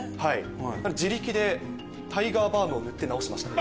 自力でタイガーバームを塗って治しました。